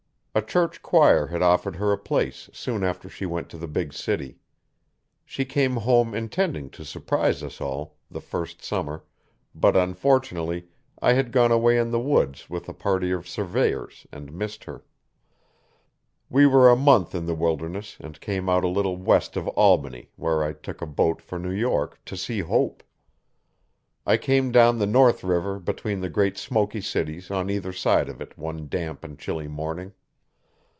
A church choir had offered her a place soon after she went to the big city. She came home intending to surprise us all, the first summer but unfortunately, I had gone away in the woods with a party of surveyors and missed her. We were a month in the wilderness and came out a little west of Albany where I took a boat for New York to see Hope. I came down the North River between the great smoky cities, on either side of it, one damp and chilly morning.